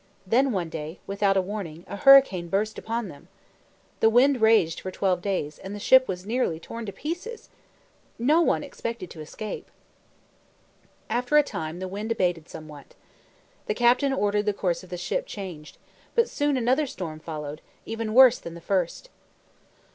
Then one day, without warning, a hurricane burst upon them. The wind raged for twelve days, and the ship was nearly torn to pieces. No one expected to escape. After a time the wind abated somewhat. The captain ordered the course of the ship changed, but soon another storm followed, even worse than the first.